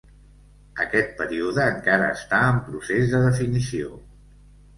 Aquest període encara està en procés de definició.